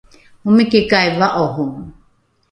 omikikai va’oro?